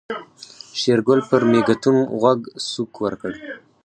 شېرګل پر مېږتون غوږ سوک ورکړ.